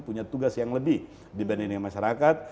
punya tugas yang lebih dibandingkan masyarakat